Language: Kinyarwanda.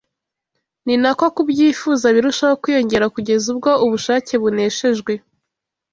ni nako kubyifuza birushaho kwiyongera, kugeza ubwo ubushake buneshejwe